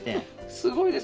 すごいです。